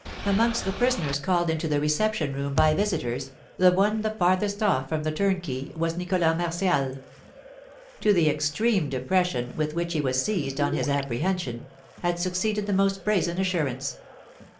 Amongst the prisoners called into the reception room by visitors, the one the farthest off from the turnkey was Nicholas Martial. To the extreme depression with which he was seized on his apprehension, had succeeded the most brazen assurance.